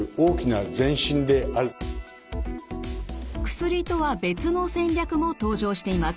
薬とは別の戦略も登場しています。